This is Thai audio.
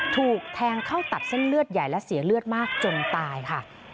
ถูกแทงเข้าตัดเส้นเลือดใหญ่และเสียเลือดมากจนตายค่ะ